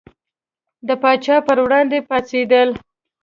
د پاچا پر وړاندې پاڅېدل.